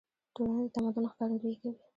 ټولنه د تمدن ښکارندويي کوي.